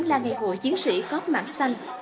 là ngày hội chiến sĩ góp mảng xanh